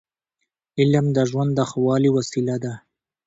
علم د ژوند د ښه والي وسیله ده.